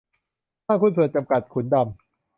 ห้างหุ้นส่วนจำกัด ขุนดำ